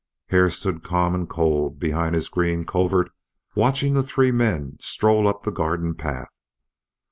Hare stood calm and cold behind his green covert watching the three men stroll up the garden path.